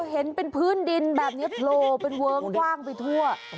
เห็นเป็นพื้นเด็นแบบนี้โปร์เป็นเวิร์กความไปทั่ว